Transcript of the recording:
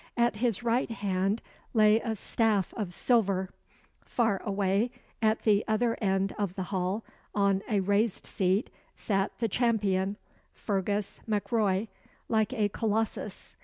At his right hand lay a staff of silver. Far away at the other end of the hall, on a raised seat, sat the Champion, Fergus Mac Roy, like a colossus.